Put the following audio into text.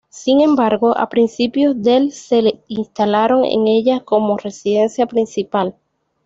Sin embargo, a principios del se instalaron en ella como residencia principal.